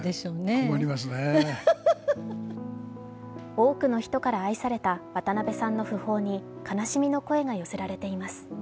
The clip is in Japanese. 多くの人から愛された渡辺さんの訃報に悲しみの声が寄せられています。